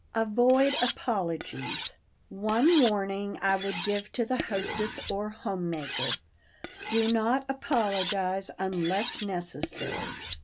[Sidenote: AVOID APOLOGIES] One warning I would give to the hostess or homemaker: Do not apologize unless necessary!